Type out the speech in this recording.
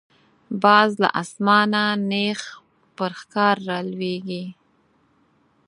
باز له آسمانه نیغ پر ښکار را لویږي